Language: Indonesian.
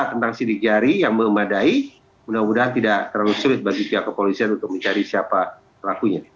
tentang sidik jari yang memadai mudah mudahan tidak terlalu sulit bagi pihak kepolisian untuk mencari siapa pelakunya